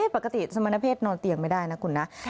ปกติสมณเพศนอนเตียงไม่ได้นะคุณนะ